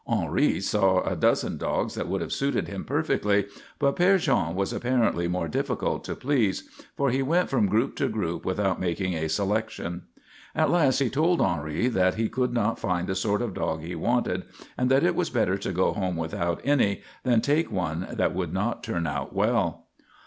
Henri saw a dozen dogs that would have suited him perfectly, but Père Jean was apparently more difficult to please, for he went from group to group without making a selection. At last he told Henri that he could not find the sort of dog he wanted and that it was better to go home without any than take one that would not turn out well.